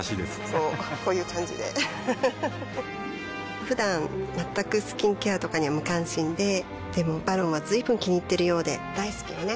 こうこういう感じでうふふふだん全くスキンケアとかに無関心ででも「ＶＡＲＯＮ」は随分気にいっているようで大好きよね